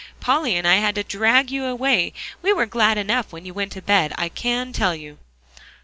Polly and I had to drag you away. We were glad enough when you went to bed, I can tell you."